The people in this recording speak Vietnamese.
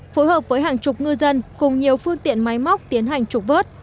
phối hợp với hàng chục ngư dân cùng nhiều phương tiện máy móc tiến hành trục vớt